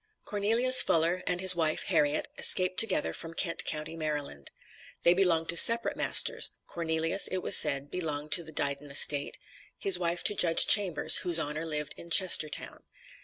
Cornelius Fuller, and his wife, Harriet, escaped together from Kent county, Maryland. They belonged to separate masters; Cornelius, it was said, belonged to the Diden Estate; his wife to Judge Chambers, whose Honor lived in Chestertown.